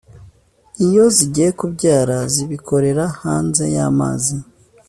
Iyo zigiye kubyara zibikorera hanze y’amazi